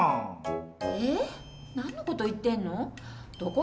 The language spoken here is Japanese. なんのこと言ってんの？